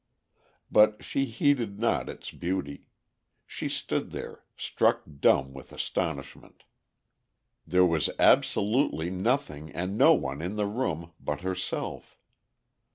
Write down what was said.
But she heeded not its beauty. She stood there, struck dumb with astonishment. There was absolutely nothing and no one in the room but herself!